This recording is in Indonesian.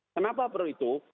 kenapa perlu itu